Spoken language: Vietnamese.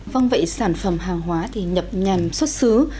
vâng vậy sản phẩm hàng hóa thì nhập nhằn xuất xứ